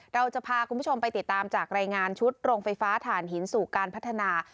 เราจะพาคุณผู้ชมไปติดตามจากรายงานชุดโรงไฟฟ้าฐานหินสู่การพัฒนา